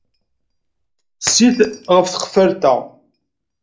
Sit ɣef tqeffalt-a.